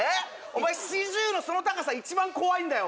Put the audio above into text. お前四十のその高さ一番怖いんだよ